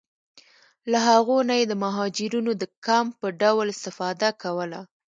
له هغو نه یې د مهاجرینو د کمپ په ډول استفاده کوله.